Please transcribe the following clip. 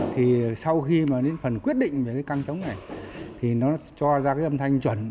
thì sau khi mà đến phần quyết định về cái căng chống này thì nó cho ra cái âm thanh chuẩn